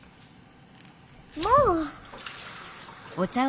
もう！